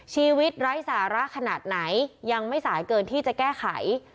ไร้สาระขนาดไหนยังไม่สายเกินที่จะแก้ไข